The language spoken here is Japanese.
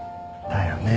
だよね。